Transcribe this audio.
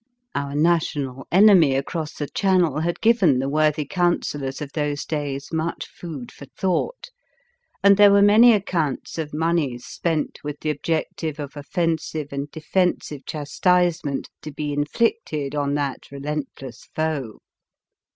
Our national enemy across the channel had given the worthy Councillors of those days much food for thought, and there were Introduction many accounts of moneys spent with the object of offensive and defensive chastisement to be inflicted on that relentless foe.